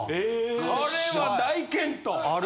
これは大健闘。